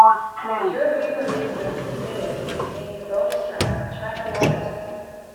The European release of "Committed" contained the bonus track "China White".